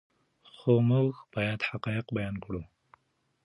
خو موږ باید حقایق بیان کړو.